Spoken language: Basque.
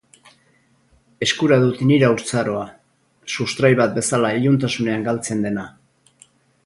Eskura dut nire haurtzaroa, sustrai bat bezala iluntasunean galtzen dena.